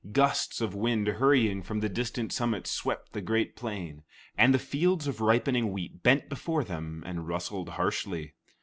Gusts of wind hurrying from the distant summits swept the great plain, and the fields of ripening wheat bent before them and rustled harshly.